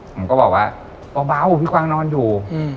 ผมก็บอกว่าเบาพี่กวางนอนอยู่